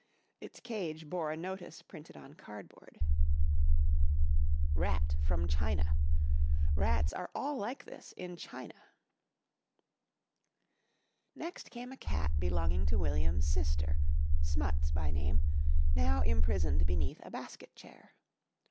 Its cage bore a notice printed on cardboard: ++| RAT FROM CHINA || RATS ARE ALL LIKE || THIS IN CHINA |++ Next came a cat belonging to William's sister, Smuts by name, now imprisoned beneath a basket chair.